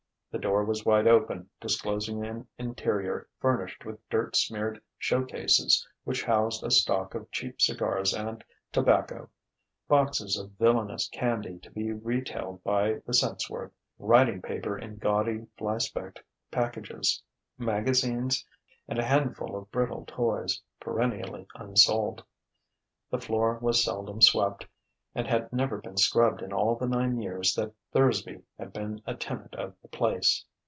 The door was wide open, disclosing an interior furnished with dirt smeared show cases which housed a stock of cheap cigars and tobacco, boxes of villainous candy to be retailed by the cent's worth, writing paper in gaudy, fly specked packages, magazines, and a handful of brittle toys, perennially unsold. The floor was seldom swept and had never been scrubbed in all the nine years that Thursby had been a tenant of the place.